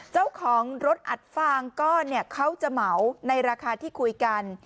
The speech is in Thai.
เจ้าของรถอัดฟางก้อนเนี่ยเขาจะเหมาในราคาที่คุยกัน